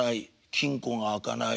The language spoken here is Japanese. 金庫が開かない。